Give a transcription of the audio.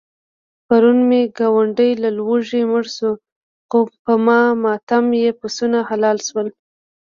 پرون مې ګاونډی له لوږې مړ شو، خو په ماتم یې پسونه حلال شول.